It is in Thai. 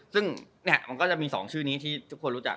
ซึ่งมันก็จะมี๒ชื่อนี้ที่ทุกคนรู้จัก